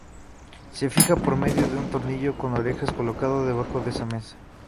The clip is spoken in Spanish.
Se fija por medio de un tornillo con orejas colocado debajo de esta mesa.